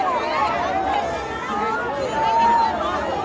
สวัสดีครับ